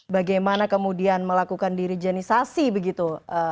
bagaimana kemudian melakukan dirijenisasi begitu